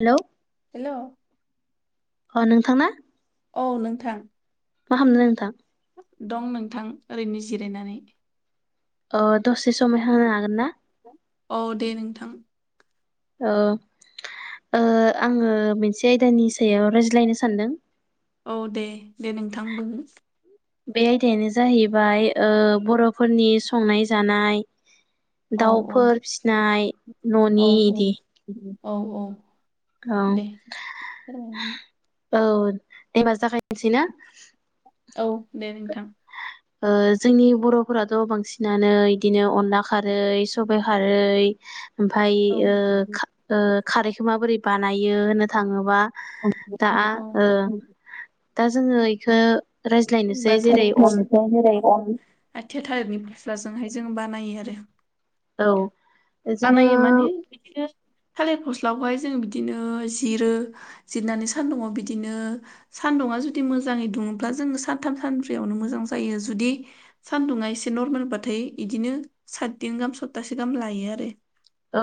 Hello hello अ नोंथांना? औ नोंथां। मा खामदों नोंथां? दं नोंथां ओरैनो जिरायनानै। अ दसे सम होनो हागोन ना? औ दे नोंथां। औ। ओ आंङो मोनसे आयदानि सायाव रायज्लायनो सानदों। औ दे दे नोंथां बुं। बे आयदायानो जाहैबाय ओ बर'फोरनि संनाय जानाय। औ औ दाउफोर फिसिनाय औ न'नि इदि। औ औ औ औ दे फोरमाय। औ दे होमबा जागायनोसै ना? औ दे नोंथां। ओ जोंनि बर'फोराथ' बांसिनानो इदिनो अनला खारै सबाइ खारै ओमफाय औ ओ खा ओ खारैखौ माबोरै बानायो होननो थांङोबा [unintelligible] दा जोंङो इखौ [unintelligible] आथाय थलेरनि फस्लाजोंहाय जों बानायो आरो। औ जोङो बानायो माने बिदिनो थालिर फस्लाखौहाय जों बिदिनो जिरो जिरनानै सान्दुंङाव बिदिनो सान्दुंङा जुदि मोजांङै दुं अब्ला जोंङो सानथाम सानब्रैयावनो मोजां जायो जुदि सानदुंङा एसे नरमेलबाथाय इदिनो सातदिन गाहाम सप्टासे गाहाम लायो आरो। औ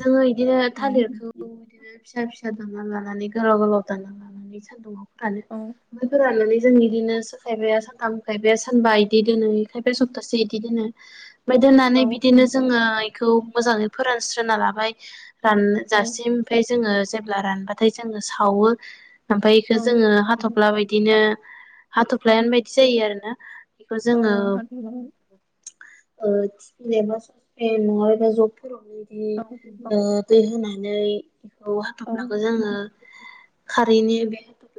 जोंङो इदिनो उम थालिरखौ बिदिनो फिसा फिस फिसा दानना लानानै गोलाव गोलाव दानना लानानै सान्दुंङा फोरानो औ ओमफ्राय फोराननानै जों इदिनो सो खायफाया सानथाम खायफाया सानबा बिदि दोनो बे खायफाया सप्तासे बिदि दोनो। ओमफ्राय औ दोननानै बिदिनो उम जोंङो इखौ मोजाङै फोरानस्रोना लाबाय रान औ जासिम ओमफ्राय जोंङो जेब्ला रानबाथाय जोंङो सावो ओमफ्राय इखौ औ जोंङो हाथफ्ला बायदिनो औ हाथफ्लायानो बायदि जायो आरोना बेखौ जोंङो औ हाथायबाय ओ टिफिन एबा सुसपेन नंङा एबा जगफोरावनो इदि औ दै होनानै दै औ हाथफ्लाखौ जो खारैनि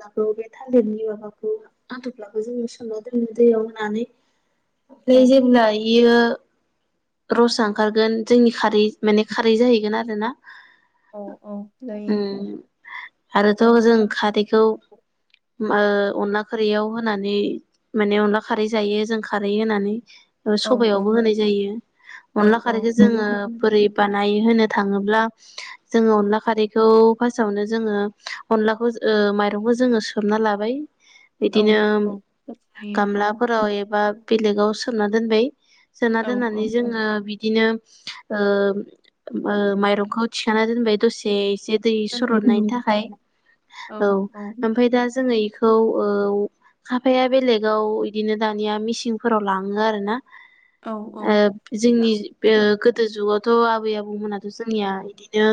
लाबो बे थालिरनि माबाखौ हाथफ्लाखौ जोंङो सोमना दोनो दैयाव होनानै ओमफ्राय औ जेब्ला इयो रसा ओंखारगोन जोंनि खारै माने खारै जाहैगोन आरो ना। औ औ। जायो उम आरोथ' औ जों खारैखौ ओ अनला खारैयाव होनानै माने अनला खारै जायो जों खारै होनानै औ सबायावबो होनाय जायो औ अनला औ खारैखौ जोंङो औ बोरै बानाय होनो थांङोब्ला जोंङो अनला खारैखौ फासावनो जोंङो अनलाखौ ओ मायरंखौ जोंङो सोमना लाबाय। औ बिदिनो औ जायो औ गामलाफोराव एबा बेलेगाव सोमना दोनबाय। सोना औ औ दोननानै जोंङो बिदिनो ओ ओ माइरंखौ थिखांना दोनबाय दसे एसे दै दोननाय सननायनि थाखाय औ ओमफ्राय दा जोङो बेखौ औ खाफाया बेलेगाव बिदिनो दानिया मेसिंफोराव लाङो आरो ना। औ ओ जोंनि बे गो गोदो जुगावथ' आबै आबौमोनाथ' जोंनिया बिदिनो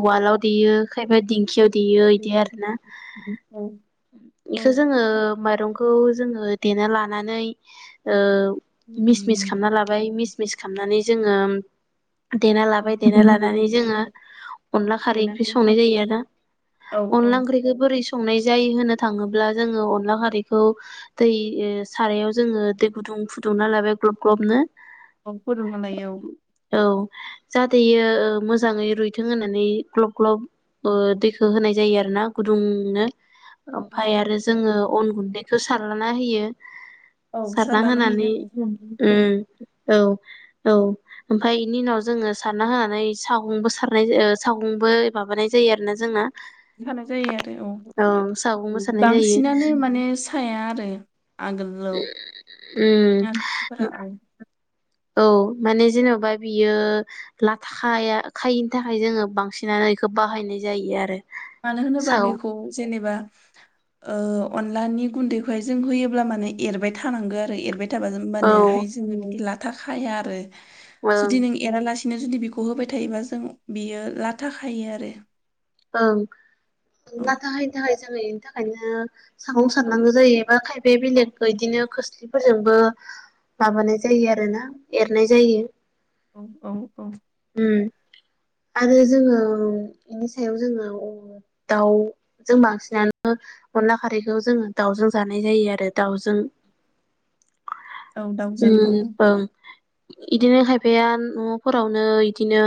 उवालाव देयो खायफा दिंखियाव देयो बिदि आरोना औ बेखौ औ जोङो माइरं खौ जोङो देना लानानै ओ मिस मिस खालामना लाबाय मिस-मिस खालामनानै जोङो देना लाबाय देना औ लानानै जोङो अनला खारै बेनो ओंख्रि संनाय जायो आरो। औ औ अनला ओंख्रिखौ बोरै संनाय जायो होनो थाङोब्ला ब्ला जोङो अनला खारैखौ दै ओ सारायाव जोङो दै गुदुं फुदुंना लाबाय ग्ल-ग्लब ग्लब नो। औ फुदुंना लायो औ। औ जाथेयो इयो ओ मोजाङै रुइथों होनानै ग्लब-ग्लब ओ दैखौ होनाय जायो आरो ना गुदुंनो। औ ओमफ्राय आरो जोङो अन गुन्दैखौ सारलाना होयो। औ सारना सारनानै होनानै होयो उम औ औ ओमफ्राय बेनि उनाव जोङो सारना होनानै सागंबो सारनाय सागंबो माबानाय जायो आरोना जोंहा। सानाय जायो आरो सागंबो औ। सारनाय जायो बांसिनानो माने साया आरो आगोल। औ उम मानसिफोरा औ औ माने जेनबा बियो लाथा खायिनि थाखाय जोङो बांसिनानो बेखौ बाहायनाय जायो आरो। मानो होनोबा साव बेखौ जेनेबा ओ अनलानि गुन्दैखौहाय जों होयोब्ला माने एरबाय थानांगौ आरो एरबाय एरबायथाबा औ ओमबानियाहाय जों लाथा खाया आरो ओं जुदि नों एरा लासिनो बिदिनो जुदि बेखौ होबाय थायोबा जों बियो लाथाखायो आरो। ओं लाथा खायैनि थाखाय जोङो बेनि थाखायनो सागुं औ सारनांगौ जायो एबा खायफ औ बेलेगखौ इदिनो खोस्लि फोरजोंबो माबानाय जायो आरोना एरनाय जायो औ औ औ उम आरो जोङो बेनि सायाव जोङो दाउ जों बांसिनानो अनला खारैखौ जोङो दाउजों जानाय जायो आरो दाउजों औ दाउजों उम औ ओं इदिनो खायफाया न'फोरावनो इदिनो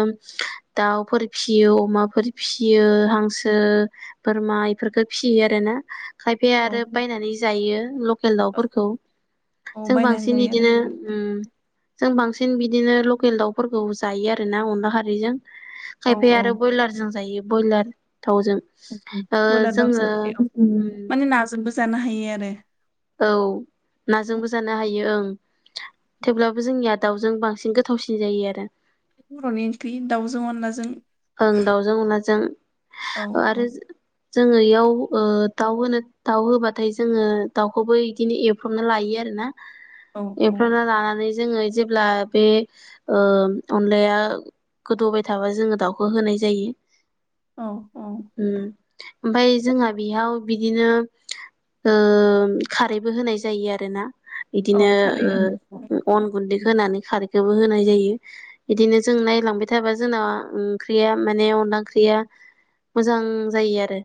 दाउफोर फिसियो अमाफोर फिसियो हांसो बोरमा इफोरखो फिसियो आरोना। खायफाया औ आरो बायनानै जायो लकेल दाउफोरखौ। औ जों बायनानै बांसिन जायो बिदिनो आरो उम जों बांसिन बिदिनो लकेल दाउफोरखौ जायो आरोना अनला खारैजों। खायफाया औ आरो ब्रयलारजों जायो ब्रयलार। थावजों औ ओ बयलार दाउजों जोङो औ उम माने नाजोंबो जानो हायो आरो। औ नाजोंबो जानो हायो ओं। थेवब्लाबो जोंनिया दाउजों बांसिन गोथावसिन जायो आरो। बर'नि ओंख्रि दाउजों अनलाजों। ओं दाउजों अनलाजों औ आरो जोङो इयाव ओ दाउ होनो दाउ होबाथाय जोङो दाउखौबो इदिनो एवफ्रामना लायो आरो ना? औ औ एखौनो लानानै जोङो जेब्ला बे ओ अनलाया गोदौबाय थाबा जोङो दाउ खौ होनाय जायो‌। औ औ ओमफाय जोंहा बेयाव बिदिनो ओ खारैबो होनाय जायो आरो ना औ इदिनो खारै ओ अन गुन्दैखौ होनानै खारैखौबो होनाय ओं जायो। बिदिनो जों नायलांबाय थाबा जोंना ओम ओंख्रिया माने अनला ओंख्रिया मोजां जायो आरो।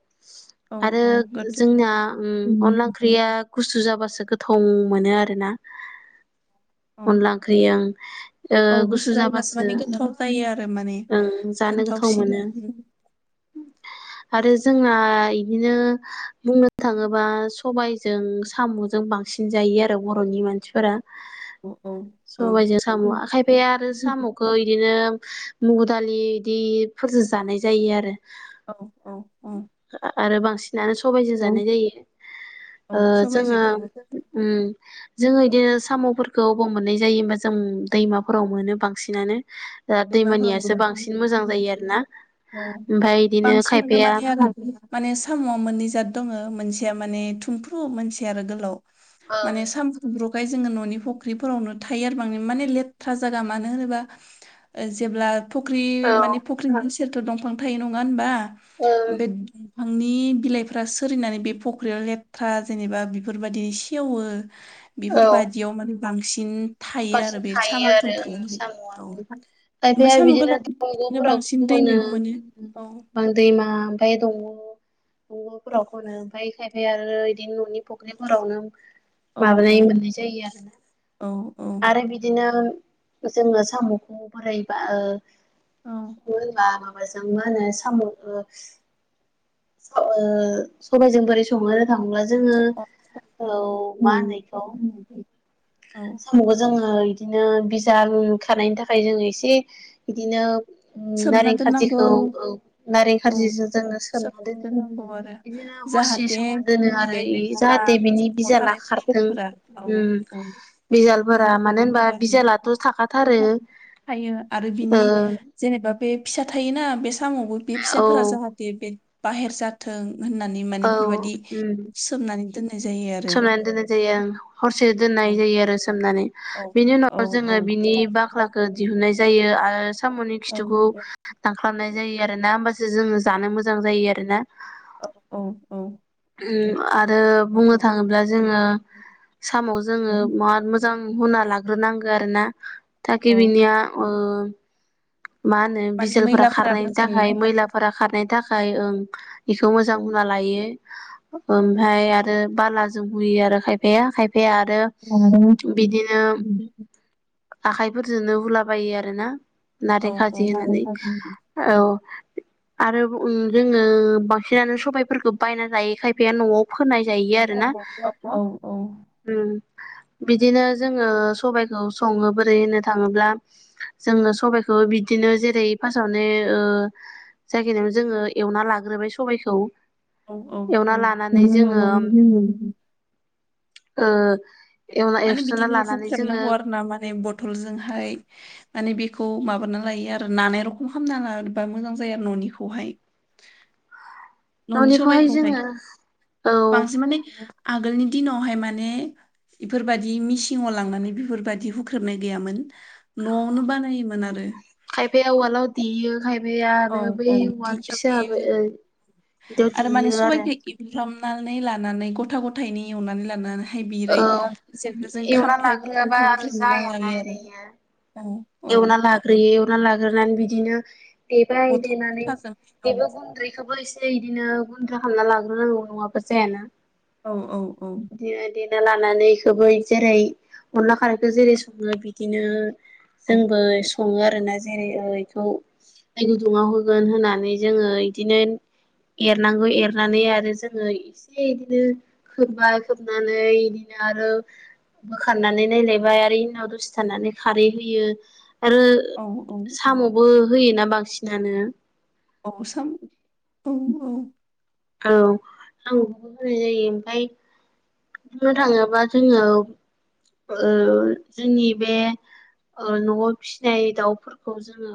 औ आरो औ गोथौ जोंना ओम अनला उम। ओंख्रिया गुसु जाबासो गोथाव मोनो आरो ना औ अनला ओंख्रि ओ औ गुसु जायोबासो जाबासो माने ओं जा गोनथावसिन [inaudible] आरो जोंना इदिनो बुंनो थाङोबा सबायजों साम'जों बांसिन सिन जायो आरो बर'नि मानसिफोरा औ औ औ सबायजों साम' खायफाया आरो साम'खौ बिदिनो मुगु दालि बिदिफोरजों जानाय जायो आरो। औ औ औ आरो बांसिन नानो सबायाइजों जानाय जायो औ ओ जोङो सबाइजों ओम जोङो इदिनो साम'फोरखौ अबाव मोननाय जायो होमबा जों दैमाफोराव मोनो बांसिनानो। दा दैमाफोराव दैमानियासो बांसिन मोजां मोनो। जायो आरो ना औ बांसिन मोनो माने आरो माने साम'आ मोननै जाद दङ मोनसेया माने थुमफ्रु मोनसेया आरो गोलाव ओं माने साम' थुमफ्रु ख बेयो जोङो न'नि फख्रिफोरावनो थायो आरो बां माने लेथ्रा जायगा मानो होनोबा जेब्ला फख्रि औ माने फख्रिनि सेरथ' दंफां थायो नङा होनबा? ओं बे फांनि बिलाइफ्रा सिरिनानै बे फख्रियाव लेथ्रा जेनेबा बेफोरबायदि सेवो औ बेफोरबायदियाव माने बांसिन थायो बांसिन आरो बे साम' थायो आरो थुमफ्रु ओं हाय साम'आ औ ओमफ्राय खायफाया साम' बिदिनो गोलाव बिदिनो बांसिन दैमायाव मोनो। औ बा दैमा ओमफ्राय दंग' दंग'फोराव खनो ओमफ्राय खायफाया आरो बिदिनो न'नि फुख्रिफोरावनो औ औ माबानाय मोननाय जायो आरोना। औ औ आरो बिदिनो जोङो साम'खौ बोरैबा ओ होनबा माबाजों मा होनो साम'ओ स ओ सबायजों बोरै सङो थाङोला जोङो औ मा होनो इखौ औ साम'खौ जोङो इदिनो बिजानु थानायनि थाखाय जोङो एसे बिदिनो सोमना नारें दोननांगौ खारजिखौ औ नारें औ खारजिजों जोङो सोमना दोनो दोननांगौ आरो बिदि नो हरसे जाहाथे संना दोनो बे आरो लेथ्रा जाहाथे बिनि बिजाला थानाय खारथों मैलाफोरा औ औ बिजालफोरा मानो होनबा मैलाफोरा बिजालाथ' थाखाथारो थायो आरो बिनि ओ जेनेबा बे फिसा थायोना बे सामावबो बे औ फिसाफोरा जाहाथे बे बाहेर जाथों होननानै औ माने बेफोरबायदि उम सोमनानै दोननाय जायो आरो। एसे औ दोननाय जायो आरो सोमनानै। औ बेनि औ उनाव जोङो औ औ बिनि बाख्लाखौ दिहुननाय जायो आरो साम'नि औ खिथुखौ दांख्लाबनाय जायो आरो ना होमबासो जोङो जानो मोजां जायो आरो ना ओ औ औ ओम आरो बुंनो थाङोब्ला जोङो साम'आव जोङो औ माद मोजां हुना लाग्रोनांगो आरो ना औ थाखि बिनिया ओ मा होनो माने बिजालफोरा मैलाफोरा खारनायनि मोजाङै थाखाय खारथों मैलाफोरा खारनायनि थाखाय ओं। बेखौ मोजां हुना लायो औ ओमफय आरो बालाजों हुयो आरो खायफाया खायफाया ओमफाय औ आरो बिदिनो आखाइफोरजोंनो हुलाबायो आरो ना। औ नारें औ खारजि होननानै औ। आरो जोङो बांसिनानो सबायफोरखौ बायना जायो खायफाया न'आव फोनाय जायो आरो ना। औ उम बिदिनो जोङो सबाइखौ सङो बोरै होननो थाङोब्ला जोङो सबाय खौ बिदिनो जेरै फार्स्टआवनो ओ जायखिनि जोङो एवना लाग्रोबाय सबायखौ औ औ एवना औ लानानै एवना जोङो लानानै जोङो ओ एवना माने एवस्रोना बिदिनो लानानै जोङो हुख्रेबनांगौ आरो ना माने बथ'लजोंहाय माने बेखौ माबाना लायो आरो नानाय रखम खालामामना लाबा मोजां जायो आरो न'निखौहाय। [inaudible] न'नि न'निखौहाय सबायाइखौहाय जोङो औ बांसिन माने आगोलनि दिनावहाय माने इफोरबायदि मिसिङाव लांनानै बेफोरबायदि हुख्रेबनाय गैयामोन न'आवनो बानायोमोन आरो। खायफाया उवालाव देयो खायफाया औ आरो बै औ उवाल दिंखियाव देयो फिसाबो बिदियाव देयो आरो नानै लानानै गथा गथायनि एवनानै लानानै फाय बिरै औ जेनबो जों एवना खामफ्लायफोर लाग्रोआबा जों आरो उनना जायाना लायो ओरैनो आरो औ। एवना लाग्रोयो एवना लाग्रोनानै बिदिनो देबाय बथल देनानै गथाजों औ बेबो गुन्दैखोबो एसे एसे इ दिनो गुन्द्रा खालामना लाग्रोनांगौ नङाबा जायाना। औ औ औ बिदिनो देना लानानै इखोबो जेरै अनला खारैखो जेरै सङो बिदिनो औ जोंबो सङो आरोना जेरै इखौ दै गुदुङाव होगोन होननानै जोङो इदिनो एरनांगौ एरनानै आरो जोङो इसे इदिनो खोबबाय खोबनानै बिदिनो आरो बोखारनानै नायलायबाय आरो इनाव दसे थानानै खारै होयो। आरो औ औ साम'बो होयोना बांसिनानो औ सामु औ औ औ आंबो होनाय जायो ओमफ्राय। बुंनो थाङोबा जोङो ओ जोंनि बे ओ न'आव फिसिनाय दाउफोरखौ जोङो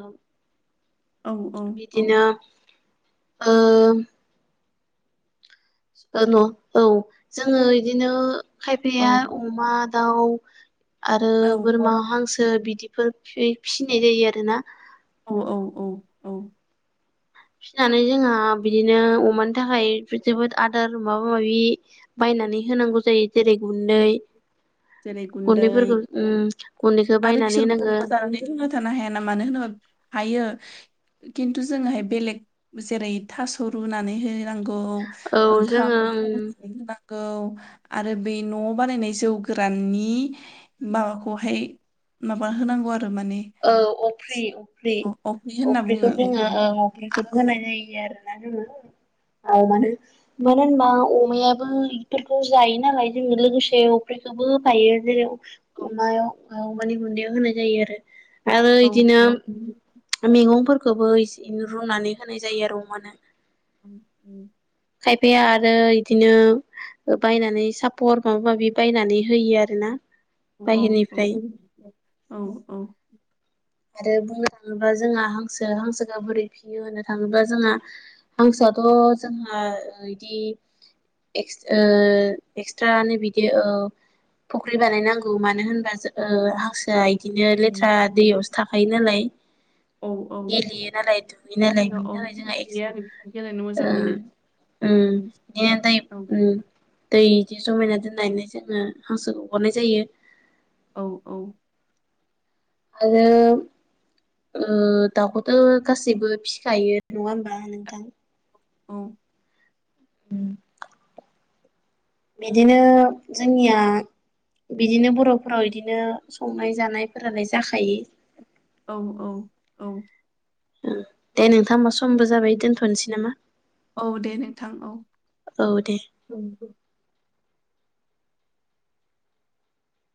औ औ औ बिदिनो ओ न' औ जोङो इदिनो खायफाया अमा दाउ आरो बोरमा हांसो बिदिफोर फि-फिसिनाय जायो आरोना। औ औ औ औ फिसिनानै जोंहा बिदिनो अमानि थाखाय जोबोद आदार माबा माबि बाय बायनानै होनांगौ जायो जेरै गुन्दै जेरै गुन्दै गुन्दैफोरखौ उम गुन्दैखौ आरो बायनानै बिसोर होनांगो [unintelligible] जानानै थांना थानो हाया ना मानो होनोब्ला हायो खिन्थु जोङोहाय बेलेग जेरै थास' रुनानै हो नांगौ औ ओंखाम जोङो उम ओंख्रै होनांगौ आरो बे न' बानायनाय जौ गोराननि माबाखौहाय माबा होनांगौ आ औ अफ्रि अफ्रि अफ्रि होनना बुङो अफ्रिखौ जोङो अफ्रिखौ होनाय जायो। [unintelligible] औ मानो होनबा अमायाबो बेफोरखौ जायो नालाय जोङो लोगोसे अफ्रि खौबो होफायो जेरै औ अमायाव ओह अमानि गुन्दैयाव होनाय जायो आरो औ औ नंगौ मेगंफोरखोबो इसेनो रुनानै होनाय जायो आरो अमानो। [inaudible] खायफाया आरो इदिनो बायनानै सापर माबा माबि बायनानै होयो आरोना। औ बाहेरनिफ्राय औ औ औ आरो बुंनो थाङोब्ला जोंहा हांसो हांसोखौ बोरै फियो होननो थाङोब्ला जोंहा हांसोआ थ' जोंहा इदि एक्स्ट ओह एक्स्ट्रानो बिदि औ फुख्रि बानायनांगौ मानो होनबा जो ओह हांसोआ बिदिनो लेथ्रा दैयावसो थाखायो नालाय। औ औ गेलेयो नालाय दुगैयोनालाय सारियाव बेनि औ थाखाय गेलेयो आरो बिसोर गेलेनो मोजां मोनो [unintelligible] उम [unintelligible] उम दै बिदि जमायना दोननानै जोङो हांसोखौ हगरनाय जायो। औ औ आरो ओ दाउखौथ' गासैबो फिखायो नङा होनबा नोंथां। औ उम बिदिनो जोंनिया बिदिनो बर'फोराव इदिनो संनाय जानायफोरालाय जाखायो। औ औ औ ओ दे नोंथां हमबा समबो जाबाय दोनथ'नोसै नामा? औ दे नोंथां औ। औ दे